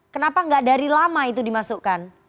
kenapa nggak dari lama itu dimasukkan